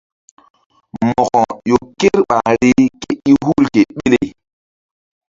Mo̧ko ƴo ker ɓahri ke i hu ke ɓele.